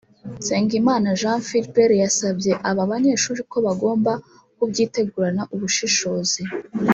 Nsengimana Jean Philbert yasabye aba banyeshuri ko bagomba kubyitegurana ubushishozi